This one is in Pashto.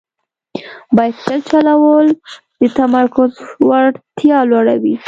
بایسکل چلول د تمرکز وړتیا لوړوي.